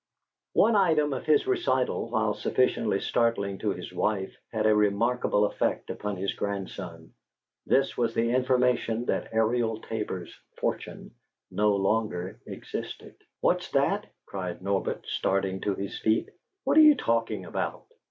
One item of his recital, while sufficiently startling to his wife, had a remarkable effect upon his grandson. This was the information that Ariel Tabor's fortune no longer existed. "What's that?" cried Norbert, starting to his feet. "What are you talking about?"